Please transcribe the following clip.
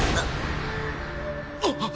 あっ。